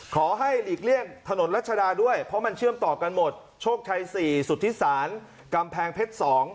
หลีกเลี่ยงถนนรัชดาด้วยเพราะมันเชื่อมต่อกันหมดโชคชัย๔สุธิศาลกำแพงเพชร๒